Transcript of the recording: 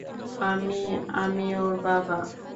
আমি, আমি ওর বাবা।